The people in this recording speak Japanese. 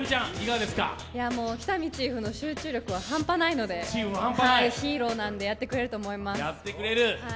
喜多見チーフの集中力はハンパないんでヒーローなんでやってくれると思います。